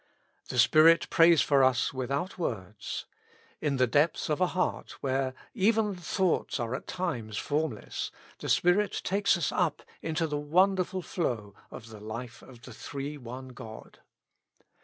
The Spirit prays for us without words: in the depths of a heart where even thoughts are at times formless, the Spirit takes us up into the wonderful flow of the life of the Three One God.